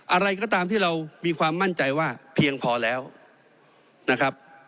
อะไรก็ตามที่เรามีความมั่นใจว่าเพียงพอแล้วนะครับ